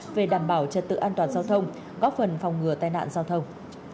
về đảm bảo trật tự an toàn giao thông góp phần phòng ngừa tai nạn giao thông